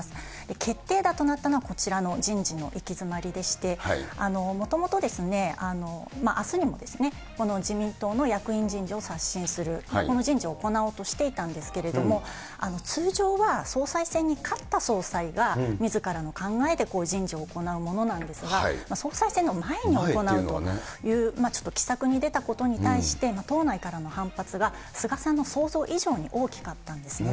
決定打となったのはこちらの人事の行き詰まりでして、もともとですね、あすにも自民党の役員人事を刷新する、この人事を行おうとしていたんですけれども、通常は総裁選に勝った総裁がみずからの考えでこう人事を行うものなんですが、総裁選の前に行うという、ちょっと奇策に出たことに対して、党内からの反発が菅さんの想像以上に大きかったんですね。